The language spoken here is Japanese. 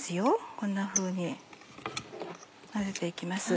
こんなふうに混ぜて行きます。